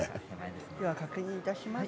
では確認いたします。